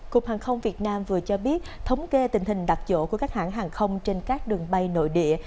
cục hàng không việt nam vừa cho biết thống kê tình hình đặt chỗ của các hãng hàng không trên các đường bay nội địa